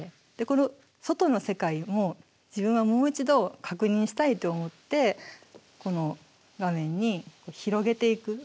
この外の世界も自分はもう一度確認したいと思ってこの画面に広げていく。